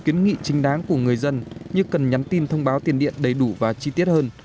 kiến nghị chính đáng của người dân như cần nhắn tin thông báo tiền điện đầy đủ và chi tiết hơn